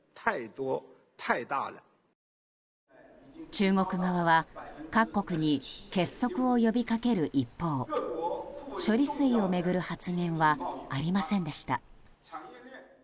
中国側は各国に結束を呼び掛ける一方処理水を巡る発言はありませんでした。